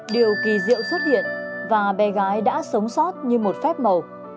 điều kỳ diệu xuất hiện và bé gái đã sống sót như một phép màu